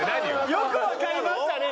「よくわかりましたね」